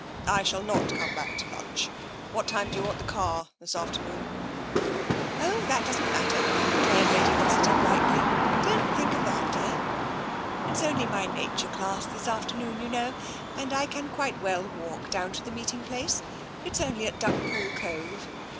" I shall not come back to lunch. What time do you want the car this afternoon ?"'* Oh, that doesn't matter," declared Lady Rossiter brightly. " Don't think of that, dear. It's only my naturVclass this afternoon, you know, and I can quite well walk down to the meeting place. It's only at Duckpool Cove.